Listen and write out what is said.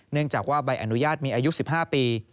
เนื่องจากว่าใบอนุญาตมีอายุ๑๕ปี